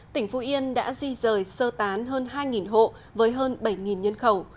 tỉnh phú yên đã di rời sơ tán hơn hai hộ với hơn bảy nhân khẩu